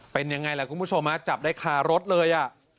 เป็นยังไงล่ะคุณผู้ชมจับได้คารถเลย